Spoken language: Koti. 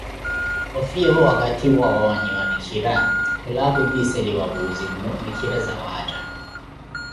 Ofiyeevo wakathi wootakha waawanyiwa mikhira, khulawa khutiseliwa Puuzi-nnu mikhira zawaatta.